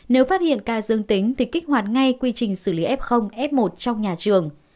nếu phát hiện ca dương tính thì kích hoạt ngay quy trình xử lý f f một trong nhà trường